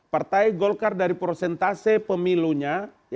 partai golkar dari prosentase pemilunya